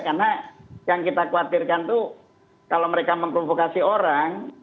karena yang kita khawatirkan tuh kalau mereka memprovokasi orang